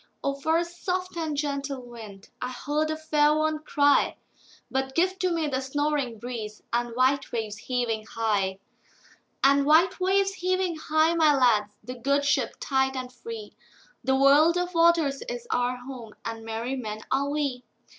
"O for a soft and gentle wind!"I heard a fair one cry:But give to me the snoring breezeAnd white waves heaving high; And white waves heaving high, my lads, The good ship tight and free—The world of waters is our home, And merry men are we.